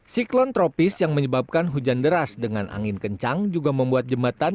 siklon tropis yang menyebabkan hujan deras dengan angin kencang juga membuat jembatan